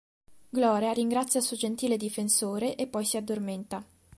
Gloria ringrazia il suo gentile difensore e poi si addormenta.